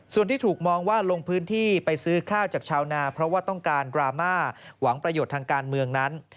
ส่วนที่ถูกมองว่าลงพื้นที่ไปซื้อข้าวจากชาวนาเพราะว่าต้องการดราม่าหวังประโยชน์ทางการเมืองนั้น